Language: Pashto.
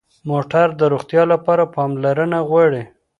موټر د روغتیا لپاره پاملرنه غواړي.